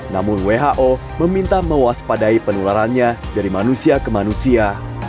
namun who meminta mewaspadai penularannya dari manusia ke manusia